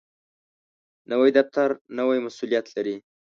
نوی دفتر نوی مسؤولیت لري